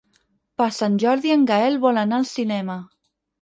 Per Sant Jordi en Gaël vol anar al cinema.